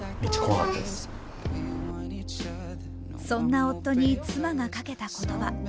そんな夫に妻がかけた言葉。